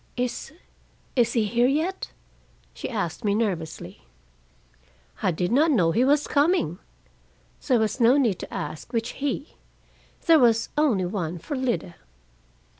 "Is is he here yet?" she asked me nervously. "I did not know he was coming." There was no need to ask which "he." There was only one for Lida.